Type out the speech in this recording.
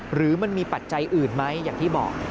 หรือมันมีปัจจัยอื่นไหมอย่างที่บอก